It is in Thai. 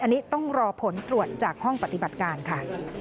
อันนี้ต้องรอผลตรวจจากห้องปฏิบัติการค่ะ